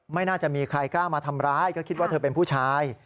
ไม่น่าจะมีใครกล้ามาทำร้ายก็คิดว่าเธอเป็นผู้ชาย